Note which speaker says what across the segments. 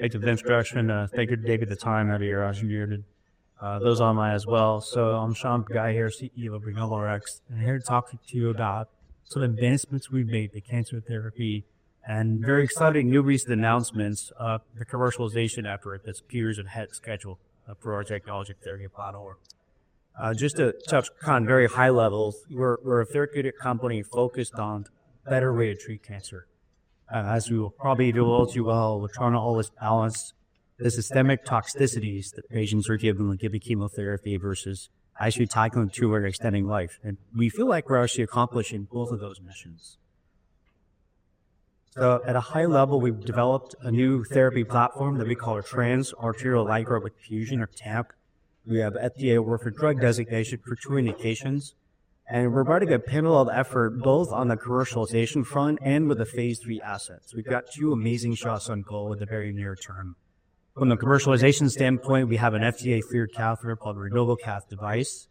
Speaker 1: Thank you for the introduction. Thank you to David, the time out of your, your, those online as well. So I'm Shaun Bagai here, CEO of RenovoRx, and I'm here to talk to you about some advancements we've made to cancer therapy and very exciting new recent announcements of the commercialization effort that's peers and ahead schedule for our technology therapy platform. Just to touch on very high levels, we're, we're a therapeutic company focused on a better way to treat cancer. As we will probably do all too well, we're trying to always balance the systemic toxicities that patients are given when giving chemotherapy versus actually tackling too early extending life. And we feel like we're actually accomplishing both of those missions. At a high level, we've developed a new therapy platform that we call a Trans-Arterial Micro-Perfusion, or TAMP. We have FDA-approved drug designation for two indications, and we're about to get a parallel effort both on the commercialization front and with the phase III assets. We've got two amazing shots on goal in the very near term. From the commercialization standpoint, we have an FDA-approved catheter called the RenovoCath device,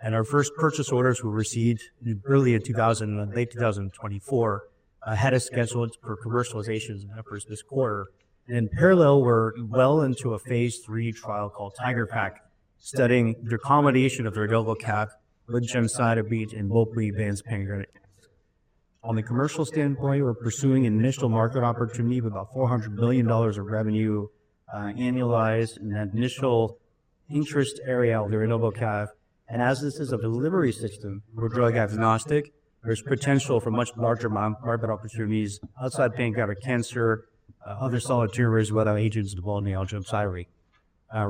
Speaker 1: and our first purchase orders were received early in 2024, late 2024, ahead of schedule for commercialization efforts this quarter. In parallel, we're well into a phase III trial called TIGeR-PaC, studying the accommodation of the RenovoCath with gemcitabine and both the advanced angio-LIN. On the commercial standpoint, we're pursuing an initial market opportunity of about $400 million of revenue, annualized, and that initial interest area of the RenovoCath. As this is a delivery system for drug agnostic, there's potential for much larger market opportunities outside pancreatic cancer, other solid tumors, whether agents involved in the gemcitabine.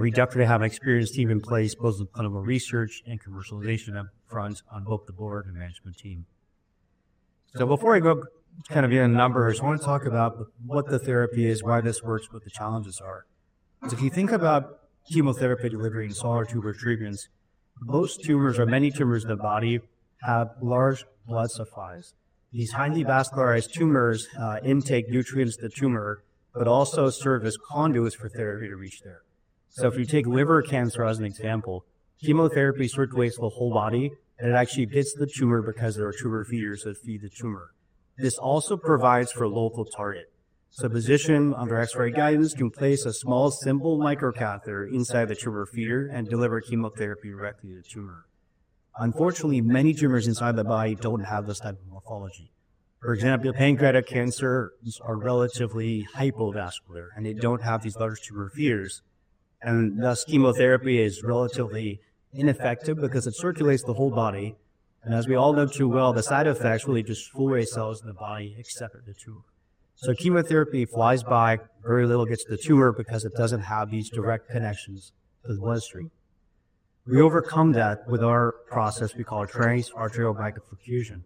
Speaker 1: We definitely have an experienced team in place, both in clinical research and commercialization up front on both the board and management team. Before I go kind of into numbers, I want to talk about what the therapy is, why this works, what the challenges are. If you think about chemotherapy delivering solid tumor treatments, most tumors or many tumors in the body have large blood supplies. These highly vascularized tumors intake nutrients to the tumor, but also serve as conduits for therapy to reach there. If you take liver cancer as an example, chemotherapy circulates the whole body, and it actually hits the tumor because there are tumor feeders that feed the tumor. This also provides for local target. A physician under X-ray guidance can place a small, simple microcatheter inside the tumor feeder and deliver chemotherapy directly to the tumor. Unfortunately, many tumors inside the body do not have this type of morphology. For example, pancreatic cancers are relatively hypovascular, and they do not have these large tumor feeders, and thus chemotherapy is relatively ineffective because it circulates the whole body. As we all know too well, the side effects really just fool away cells in the body except for the tumor. Chemotherapy flies by, very little gets to the tumor because it does not have these direct connections to the bloodstream. We overcome that with our process we call Trans-Arterial Micro-Perfusion,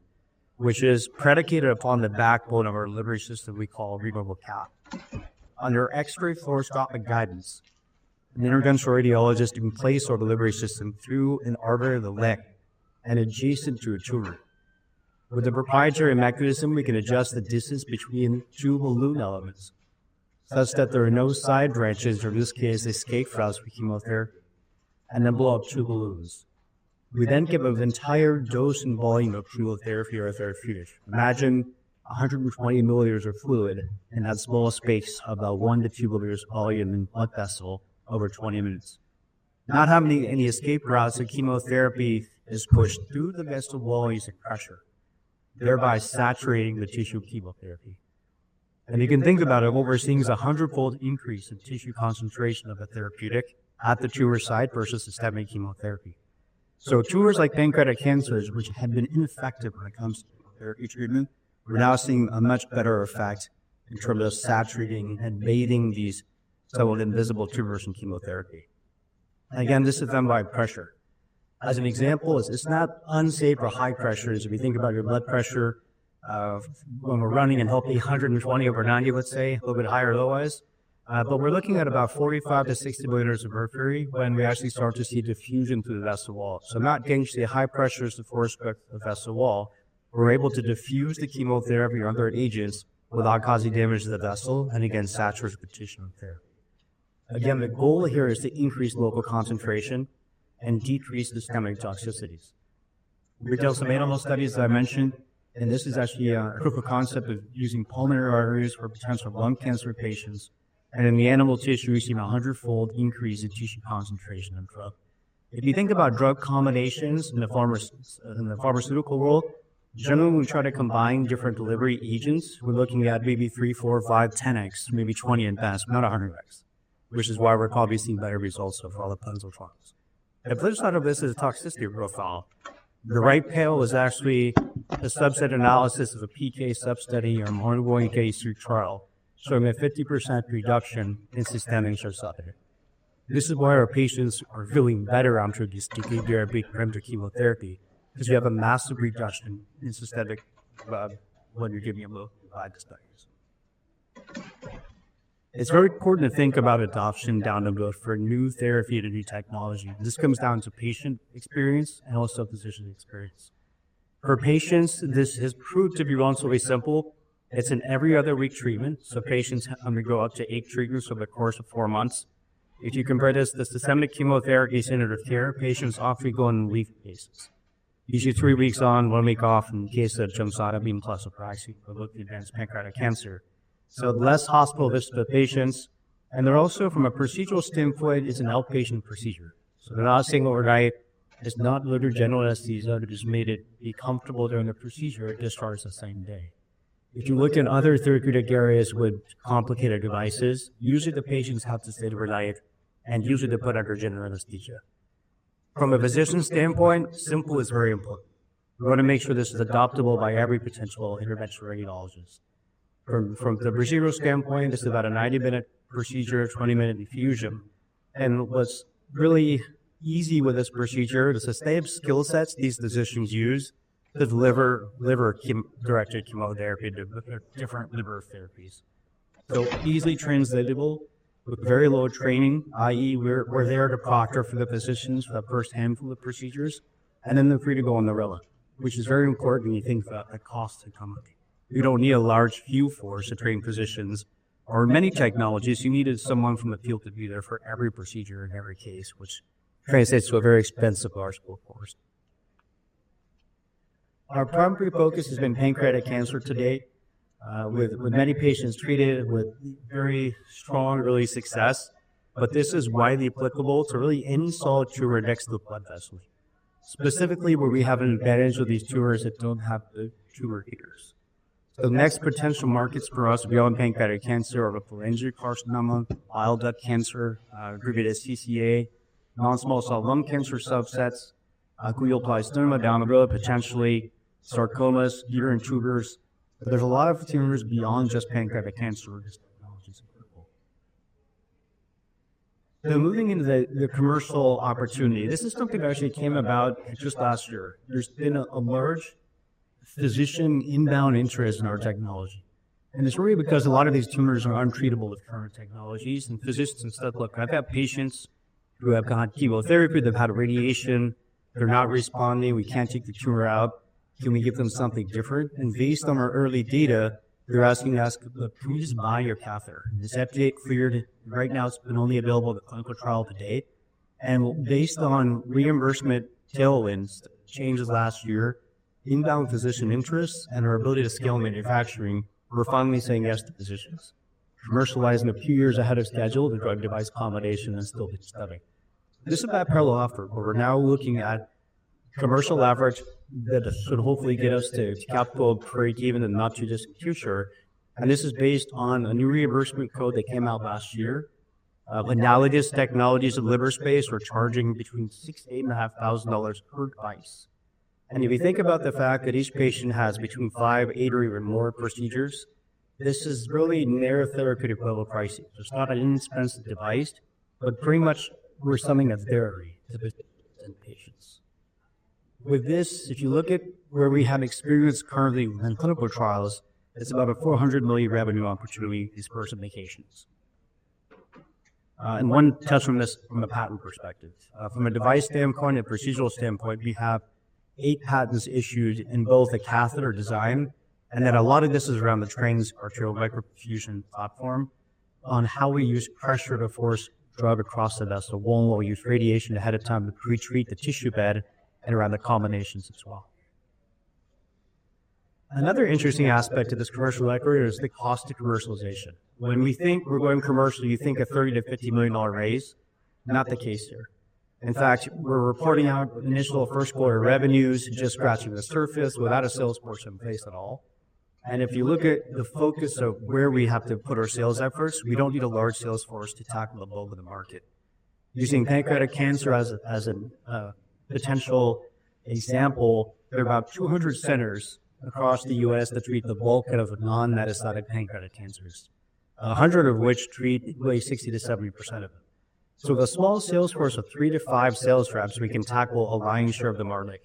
Speaker 1: which is predicated upon the backbone of our delivery system we call RenovoCath. Under X-ray fluoroscopic guidance, an interventional radiologist can place our delivery system through an artery of the leg and adjacent to a tumor. With a proprietary mechanism, we can adjust the distance between two balloon elements such that there are no side branches, or in this case, escape routes for chemotherapy, and then blow up two balloons. We then give an entire dose and volume of chemotherapy or therapeutics. Imagine 120 mL of fluid and that small space of about one to 2 mL volume in one vessel over 20 minutes. Not having any escape routes of chemotherapy is pushed through the vessel wall using pressure, thereby saturating the tissue of chemotherapy. You can think about it, what we're seeing is a hundred-fold increase in tissue concentration of the therapeutic at the tumor site versus systemic chemotherapy. Tumors like pancreatic cancers, which had been ineffective when it comes to chemotherapy treatment, we're now seeing a much better effect in terms of saturating and bathing these somewhat invisible tumors in chemotherapy. Again, this is done by pressure. As an example, it's not unsafe for high pressures. If you think about your blood pressure, when we're running and hoping 120 over 90, let's say, a little bit higher otherwise, but we're looking at about 45-60 mL of mercury when we actually start to see diffusion through the vessel wall. Not getting to the high pressures, of course, but the vessel wall, we're able to diffuse the chemotherapy or other agents without causing damage to the vessel and again, saturate the position of therapy. Again, the goal here is to increase local concentration and decrease the systemic toxicities. We've done some animal studies that I mentioned, and this is actually a proof of concept of using pulmonary arteries for potential lung cancer patients. In the animal tissue, we've seen a hundred-fold increase in tissue concentration in drug. If you think about drug combinations in the pharmaceutical world, generally we try to combine different delivery agents. We're looking at maybe three, four, five, 10 X, maybe 20 at best, not a hundred X, which is why we're probably seeing better results of all the puzzle trials. The flip side of this is a toxicity profile. The right panel is actually a subset analysis of a PK substudy or an ongoing phase III trial, showing a 50% reduction in systemic gemcitabine. This is why our patients are feeling better after these T-P therapy compared to chemotherapy, because you have a massive reduction in systemic of what you're giving them by the studies. It's very important to think about adoption down the road for new therapy and new technology. Th s comes down to patient experience and also physician experience. For patients, this has proved to be relatively simple. It's an every other week treatment, so patients undergo up to eight treatments over the course of four months. If you compare this, the systemic chemotherapy standard of care, patients often go on a weekly basis. Usually three weeks on, one week off, in case of gemcitabine plus Abraxane for both the advanced pancreatic cancer. Less hospital visits for patients, and they're also from a procedural standpoint, it's an outpatient procedure. They're not staying overnight. It's not under general anesthesia. They're just made to be comfortable during the procedure and discharged the same day. If you look at other therapeutic areas with complicated devices, usually the patients have to stay overnight and usually they are put under general anesthesia. From a physician's standpoint, simple is very important. We want to make sure this is adoptable by every potential interventional radiologist. From the procedural standpoint, it's about a 90-minute procedure, 20-minute infusion, and what's really easy with this procedure is the same skill sets these physicians use to deliver liver-directed chemotherapy to different liver therapies. Easily translatable, with very low training, i.e., we're there to proctor for the physicians for the first handful of procedures, and then they're free to go on their own, which is very important when you think about the cost economy. You don't need a large field force to train physicians, or many technologies. You needed someone from the field to be there for every procedure in every case, which translates to a very expensive large pool of force. Our primary focus has been pancreatic cancer to date, with many patients treated with very strong, early success, but this is widely applicable to really any solid tumor next to the blood vessels, specifically where we have an advantage with these tumors that do not have the tumor feeders. The next potential markets for us would be on pancreatic cancer or the pharyngeal carcinoma, bile duct cancer, grouping as CCA, non-small cell lung cancer subsets, glioblastoma down the road, potentially sarcomas, uterine tumors. There is a lot of tumors beyond just pancreatic cancer where this technology is applicable. Moving into the commercial opportunity, this is something that actually came about just last year. There has been a large physician inbound interest in our technology. It is really because a lot of these tumors are untreatable with current technologies, and physicians and stuff look, I've had patients who have gone to chemotherapy, they've had radiation, they're not responding, we can't take the tumor out, can we give them something different? Based on our early data, they're asking us, can we just buy your catheter? This FDA-cleared, right now it's been only available in the clinical trial to date. Based on reimbursement tailwinds that changed last year, inbound physician interests and our ability to scale manufacturing, we're finally saying yes to physicians. Commercializing a few years ahead of schedule to drug device accommodation and still be studying. This is a bad parallel effort, but we're now looking at commercial leverage that should hopefully get us to capital break even in the not too distant future. This is based on a new reimbursement code that came out last year. Analogous technologies in the liver space are charging between $6,500 per device. If you think about the fact that each patient has between five, eight, or even more procedures, this is really near therapeutic level pricing. It is not an inexpensive device, but pretty much we're selling a therapy to patients. With this, if you look at where we have experience currently within clinical trials, it's about a $400 million revenue opportunity for some patients. One test from this, from a patent perspective. From a device standpoint and procedural standpoint, we have eight patents issued in both the catheter design, and then a lot of this is around the Trans-Arterial Micro-Perfusion platform, on how we use pressure to force drug across the vessel while we use radiation ahead of time to pre-treat the tissue bed and around the combinations as well. Another interesting aspect of this commercial record is the cost of commercialization. When we think we're going commercial, you think a $30 million-$50 million raise, not the case here. In fact, we're reporting out initial first quarter revenues, just scratching the surface without a sales force in place at all. If you look at the focus of where we have to put our sales efforts, we don't need a large sales force to tackle the bulk of the market. Using pancreatic cancer as a, as a, potential example, there are about 200 centers across the U.S. that treat the bulk of non-metastatic pancreatic cancers, 100 of which treat probably 60-70% of them. With a small sales force of three to five sales reps, we can tackle a wide share of the market.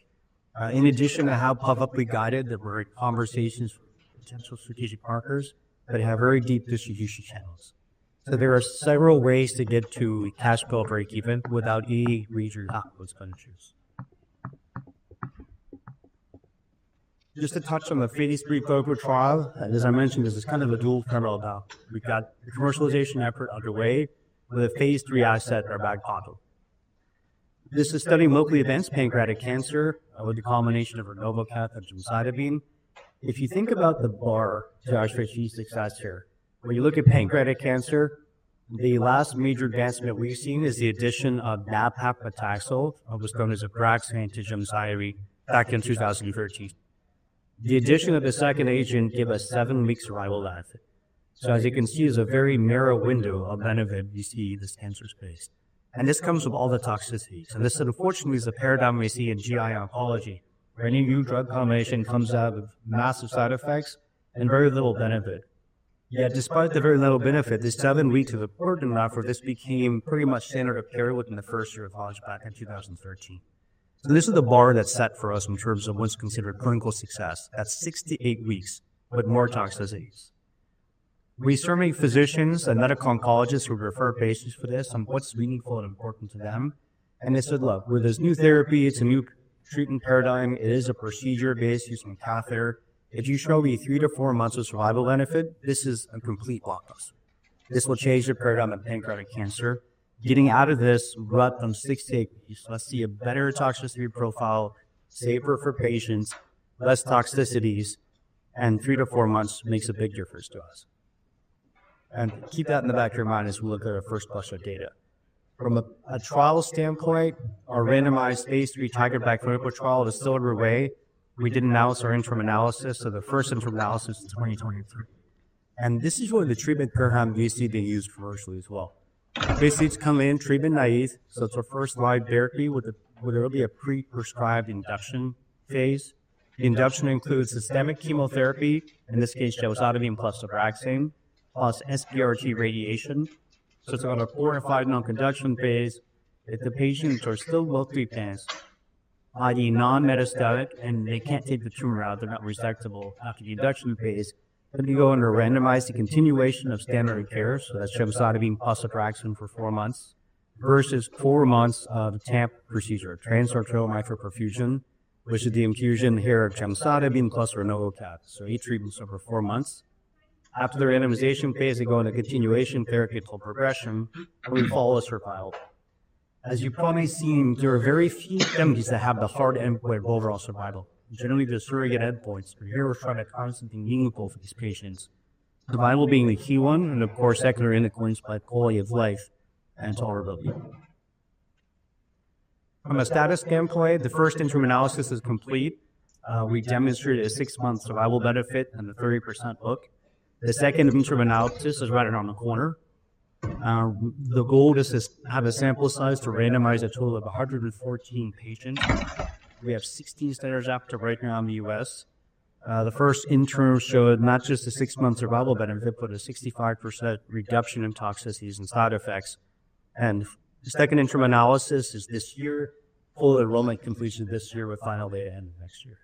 Speaker 1: In addition to how pop-up we guided that we're in conversations with potential strategic partners that have very deep distribution channels. There are several ways to get to cash flow break-even without any major capital expenditures. Just to touch on the phase III clinical trial, as I mentioned, this is kind of a dual parallel now. We've got the commercialization effort underway with a phase III asset, are TAMP novel. This is studying locally advanced pancreatic cancer with the combination of RenovoCath and gemcitabine. If you think about the bar to actually achieve success here, when you look at pancreatic cancer, the last major advancement we've seen is the addition of nab-paclitaxel to gemcitabine back in 2013. The addition of the second agent gave us seven weeks survival life. As you can see, there's a very narrow window of benefit we see in this cancer space. This comes with all the toxicities. This unfortunately is a paradigm we see in GI oncology, where any new drug combination comes out with massive side effects and very little benefit. Yet despite the very little benefit, the seven weeks is important enough where this became pretty much standard of care within the first year of launch back in 2013. This is the bar that's set for us in terms of what's considered clinical success at 68 weeks with more toxicities. We survey physicians and medical oncologists who refer patients for this on what's meaningful and important to them. They said, "Look, with this new therapy, it's a new treatment paradigm. It is a procedure based using catheter. If you show me three to four months of survival benefit, this is a complete block us. This will change the paradigm of pancreatic cancer. Getting out of this rut from 68 weeks, let's see a better toxicity profile, safer for patients, less toxicities, and three to four months makes a big difference to us." Keep that in the back of your mind as we look at our first bunch of data. From a trial standpoint, our randomized phase III TIGeR-PaC clinical trial is still underway. We did announce our interim analysis, the first interim analysis in 2023. This is one of the treatment programs we see being used commercially as well. Phase III has come in, treatment naive. It is our first live therapy with a really pre-prescribed induction phase. The induction includes systemic chemotherapy, in this case gemcitabine plus Abraxane, plus SBRT radiation. It is about a four to five non-conduction phase. If the patients are still locally advanced, i.e., non-metastatic, and they cannot take the tumor out, they are not resectable after the induction phase, they go under randomized continuation of standard of care. That is gemcitabine plus Abraxane for four months versus four months of TAMP procedure, Trans-Arterial Micro-Perfusion, which is the infusion here of gemcitabine plus RenovoCath. Eight treatments over four months. After the randomization phase, they go into continuation therapy until progression, and we follow a survival. As you probably seen, there are very few patients that have the hard endpoint of overall survival. Generally, there's surrogate endpoints, but here we're trying to find something meaningful for these patients. Survival being the key one, and of course secondary endpoints by quality of life and tolerability. From a status standpoint, the first interim analysis is complete. We demonstrated a six-month survival benefit and the 30% hook. The second interim analysis is right around the corner. The goal is to have a sample size to randomize a total of 114 patients. We have 16 centers active right now in the U.S. The first interim showed not just a six-month survival benefit, but a 65% reduction in toxicities and side effects. The second interim analysis is this year, full enrollment completion this year with final data end of next year.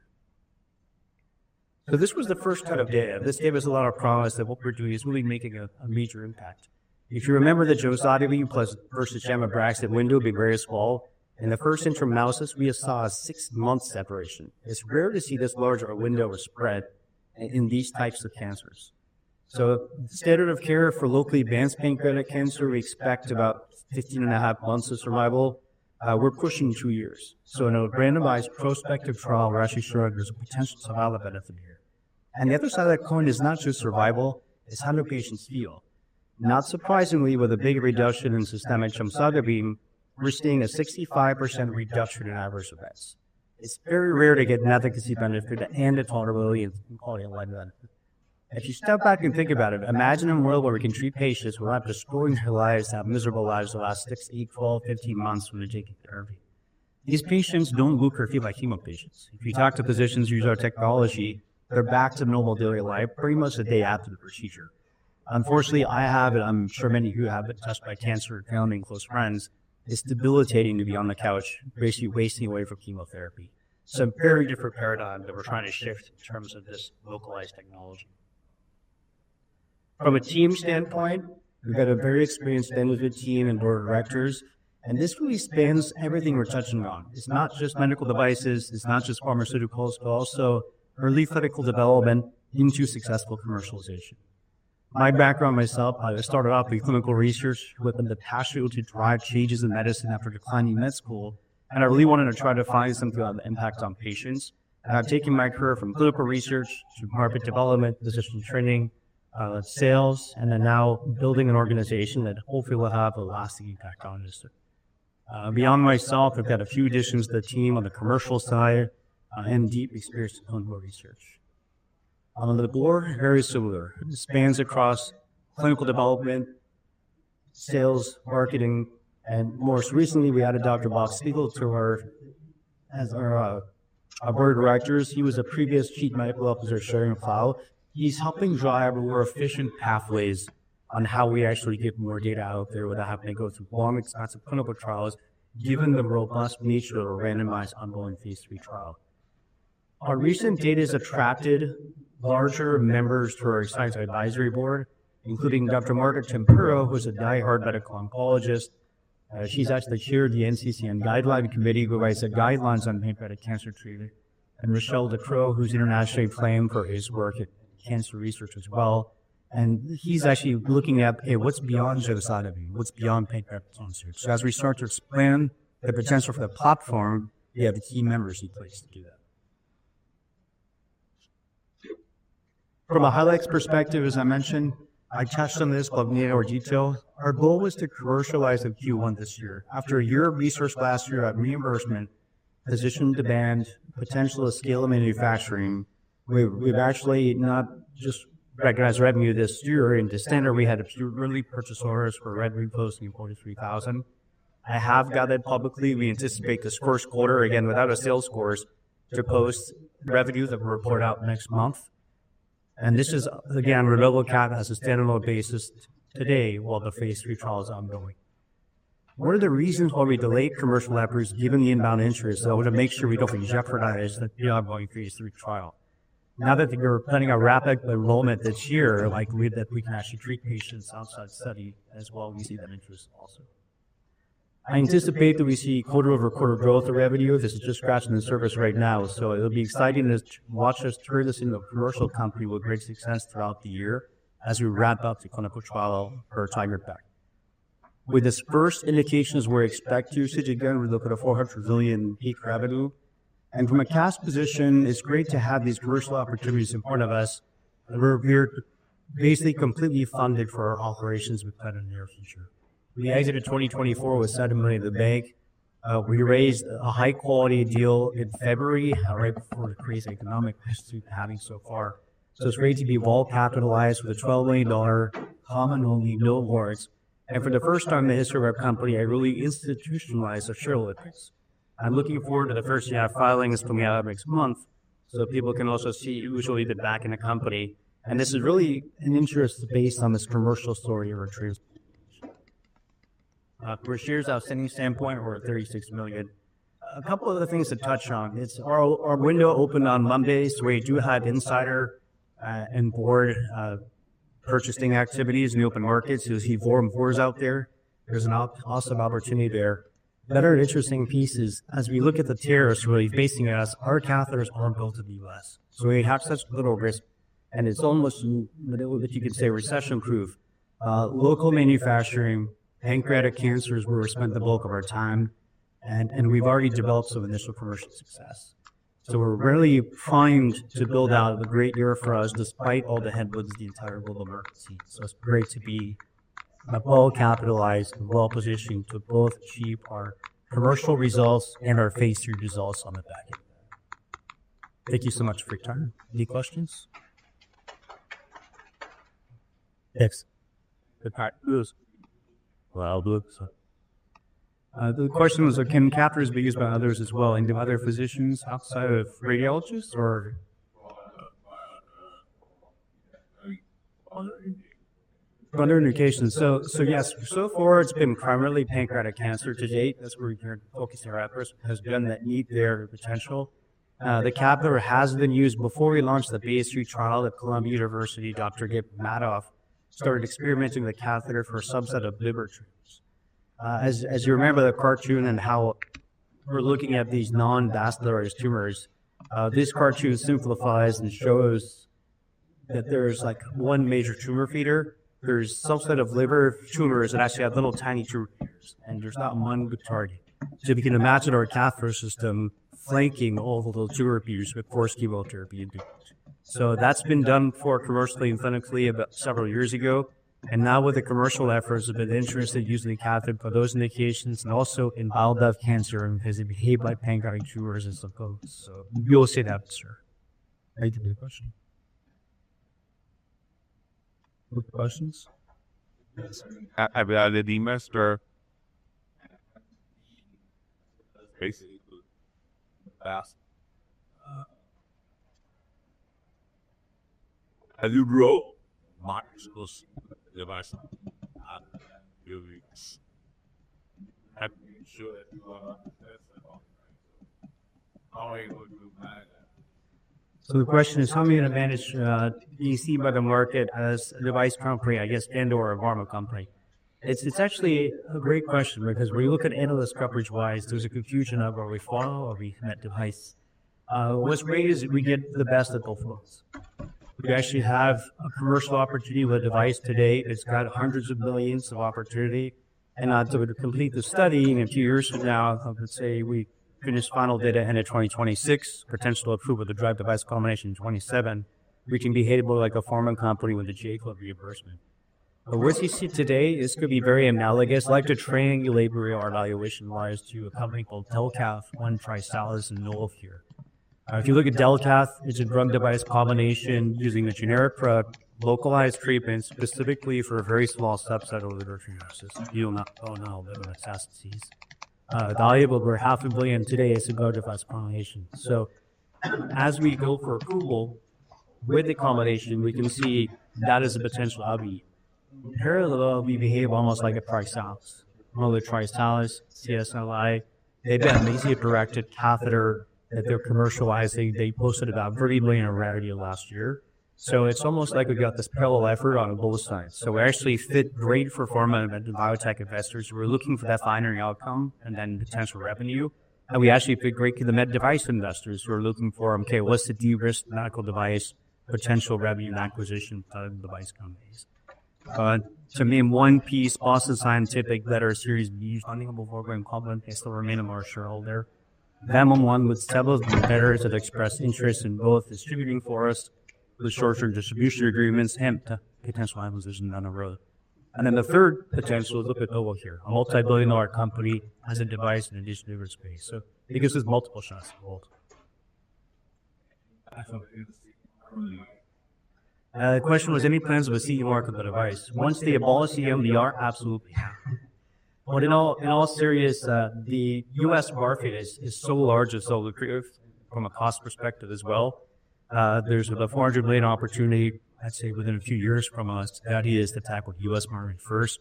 Speaker 1: This was the first cut of data. This gave us a lot of promise that what we're doing is really making a major impact. If you remember the gemcitabine plus versus Abraxane window would be very small. In the first interim analysis, we saw a six-month separation. It's rare to see this large of a window or spread in these types of cancers. The standard of care for locally advanced pancreatic cancer, we expect about 15 and a half months of survival. We're pushing two years. In a randomized prospective trial, we're actually showing there's a potential survival benefit here. The other side of the coin is not just survival, it's how do patients feel. Not surprisingly, with a big reduction in systemic gemcitabine, we're seeing a 65% reduction in adverse events. It's very rare to get an efficacy benefit and a tolerability and quality of life benefit. If you step back and think about it, imagine a world where we can treat patients who are not destroying their lives, have miserable lives the last six, eight, 12, 15 months when they're taking therapy. These patients don't look or feel like chemo patients. If you talk to physicians who use our technology, they're back to normal daily life, pretty much a day after the procedure. Unfortunately, I have, and I'm sure many of you have been touched by cancer and family and close friends, it's debilitating to be on the couch, basically wasting away from chemotherapy. A very different paradigm that we're trying to shift in terms of this localized technology. From a team's standpoint, we've got a very experienced management team and board of directors, and this really spans everything we're touching on. It's not just medical devices, it's not just pharmaceuticals, but also early clinical development into successful commercialization. My background myself, I started off in clinical research with a passion to drive changes in medicine after declining med school, and I really wanted to try to find something on the impact on patients. I've taken my career from clinical research to market development, physician training, sales, and then now building an organization that hopefully will have a lasting impact on industry. Beyond myself, I've got a few additions to the team on the commercial side, and deep experience in clinical research. The board is very similar. It spans across clinical development, sales, marketing, and most recently we added Dr. Robert Spiegel to our, as our, board of directors. He was a previous Chief Medical Officer at Schering-Plough. He's helping drive more efficient pathways on how we actually get more data out there without having to go through long expansive clinical trials, given the robust nature of a randomized ongoing phase III trial. Our recent data has attracted larger members to our excited advisory board, including Dr. Margaret Tempero, who's a diehard medical oncologist. She's actually chair of the NCCN Guideline Committee, who writes the guidelines on pancreatic cancer treatment, and Michel Ducreux, who's internationally famed for his work in cancer research as well. He's actually looking at, hey, what's beyond gemcitabine, what's beyond pancreatic cancer. As we start to expand the potential for the platform, we have the key members in place to do that. From a highlights perspective, as I mentioned, I touched on this but maybe more detail. Our goal was to commercialize in Q1 this year. After a year of research last year on reimbursement, physician demand, potential of scale of manufacturing, we've actually not just recognized revenue this year. In December, we had a few early purchase orders for RenovoCath posting $43,000. I have got it publicly. We anticipate this first quarter, again without a sales force, to post revenue that we'll report out next month. This is, again, RenovoCath has a standalone basis today while the phase III trial is ongoing. One of the reasons why we delayed commercial efforts, given the inbound interest, is I want to make sure we don't jeopardize the ongoing phase III trial. Now that you're planning a rapid enrollment this year, like we that we can actually treat patients outside study as well, we see that interest also. I anticipate that we see quarter-over-quarter growth of revenue. This is just scratching the surface right now, so it'll be exciting to watch us turn this into a commercial company with great success throughout the year as we wrap up the clinical trial for TIGeR-PaC. With these first indications, we're expect usage. Again, we look at a $400 million peak revenue. And from a cash position, it's great to have these commercial opportunities in front of us. We're basically completely funded for our operations with that in the near future. We exited 2024 with $7 million at the bank. We raised a high-quality deal in February, right before the crazy economic history we've been having so far. It's great to be well capitalized with a $12 million common-only bill of mortgage. For the first time in the history of our company, I really institutionalized a shareholder base. I'm looking forward to the first year of filings coming out next month, so people can also see who's really backing the company. This is really an interest based on this commercial story of our transition. From a shareholder's outstanding standpoint, we're at $36 million. A couple of other things to touch on. Our window opened on Monday, so we do have insider and board purchasing activities in the open markets. You'll see form fours out there. There's an awesome opportunity there. Another interesting piece is, as we look at the tariffs really facing us, our catheters aren't built in the U.S. We have such little risk, and it's almost, you know, if you could say recession proof, local manufacturing, pancreatic cancer is where we spent the bulk of our time, and we've already developed some initial commercial success. We are really primed to build out a great year for us despite all the headwinds in the entire global market scene. It is great to be well capitalized and well positioned to both achieve our commercial results and our phase III results on the back end of that. Thank you so much for your time. Any questions? Thanks. Good. I'll do it. The question was, can catheters be used by others as well? And do other physicians outside of radiologists or other indications? Yes, so far it's been primarily pancreatic cancer to date. That's where we're focusing our efforts, has been that meet their potential. The catheter has been used before we launched the phase III trial at Columbia University. Dr. David Madoff started experimenting with the catheter for a subset of liver tumors. As you remember the cartoon and how we're looking at these non-vascularized tumors, this cartoon simplifies and shows that there's like one major tumor feeder. There's a subset of liver tumors that actually have little tiny tumor feeders, and there's not one good target. If you can imagine our catheter system flanking all the little tumor feeders with four skeletor beads. That's been done commercially and clinically about several years ago. Now with the commercial efforts, I've been interested in using the catheter for those indications and also in bile duct cancer and as it behaved by pancreatic tumors and so forth. We will see that this year. Any questions? No questions? I've added the investor basically the best. The question is, how are you going to manage, DC by the market as a device company, I guess, and/or a pharma company? It's actually a great question because when you look at Analyst coverage wise, there's a confusion of are we follow or are we commit device? What's great is that we get the best of both worlds. We actually have a commercial opportunity with a device today. It's got hundreds of millions of opportunity. To complete the study in a few years from now, let's say we finish final data end of 2026, potential to approve with the drug-device combination in 2027, we can behave more like a pharma company with a JFL reimbursement. What you see today is going to be very analogous, like the training and labor reward evaluation wise to a company called Delcath, one TriSalus and NOLF here. If you look at Delcath, it's a drug device combination using a generic drug, localized treatment, specifically for a very small subset of liver tumor systems. You know liver metastases. Valuable for $500,000,000 today as a drug device combination. As we go for approval with the combination, we can see that is a potential upbeat. Parallel, we behave almost like a TriSalus. Remember the TriSalus, CSLI? They've been a major directed catheter that they're commercializing. They posted about $30,000,000 in rarity last year. It's almost like we've got this parallel effort on both sides. We actually fit great for Pharma and Biotech investors who are looking for that finery outcome and then potential revenue. We actually fit great for the med device investors who are looking for, okay, what's the de-risked medical device potential revenue and acquisition for the device companies. To me, in one piece, Boston Scientific led our series of funding of a program company, still remaining our shareholder. We will want with several competitors that express interest in both distributing for us with short-term distribution agreements and potential acquisition down the road. The third potential is a bit over here. A multi-billion dollar company has a device in addition to liver space. It gives us multiple shots to hold. The question was, any plans of a CE mark of the device? Once they abolish the MDR, absolutely have. In all serious, the U.S. market is so large and so lucrative from a cost perspective as well. There's about $400 million opportunity, I'd say within a few years from us. The idea is to tackle the U.S. market first.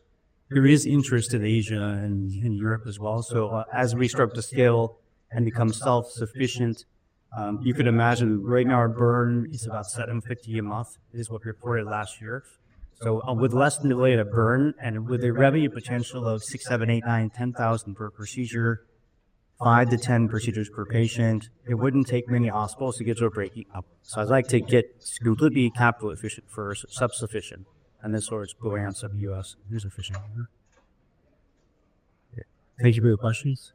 Speaker 1: There is interest in Asia and in Europe as well. As we start to scale and become self-sufficient, you could imagine right now our burn is about $750,000 a month is what we reported last year. With less than $1 million a burn and with a revenue potential of $6,000-$10,000 per procedure, five to 10 procedures per patient, it wouldn't take many hospitals to get to a breaking out. I'd like to get completely capital efficient first, self-sufficient, and then sort of go answer the U.S. and use efficient here. Thank you for your questions.